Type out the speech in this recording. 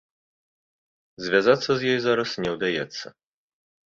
Звязацца з ёй зараз не ўдаецца.